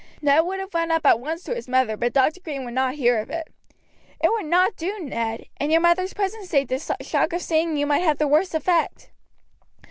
Ned, would have run up at once to his mother, but Dr. Green would not hear of it. "It would not do, Ned. In your mother's present state the shock of seeing you might have the worst effect.